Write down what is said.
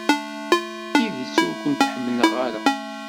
Deg tidet, ur kent-ḥemmleɣ ara.